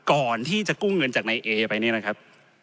ก่อนที่จะกู้เงินจากนายเอไปเนี่ยนะครับ